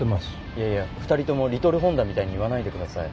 いやいや２人とも「リトルホンダ」みたいに言わないで下さい。